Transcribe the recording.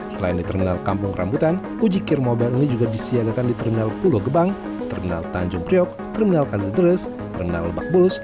selain di terminal kampung rambutan uji kir mobil ini juga disiagakan di terminal pulau gebang terminal tanjung priok terminal andedres terminal bakbulus